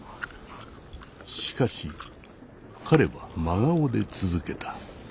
しかし彼は真顔で続けた。